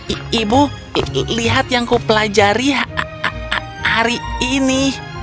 i ibu lihat yang kupelajari h h h hari ini